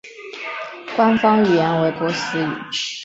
官方语言为波斯语。